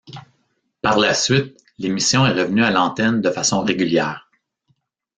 Par la suite, l'émission est revenue à l'antenne de façon régulière.